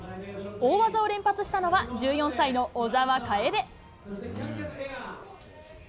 大技を連発したのは、１４歳の小澤楓。